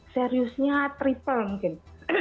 seriusnya triple mungkin